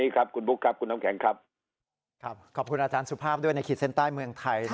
ขอบคุณอาจารย์สุภาพด้วยในขิดเส้นใต้เมืองไทย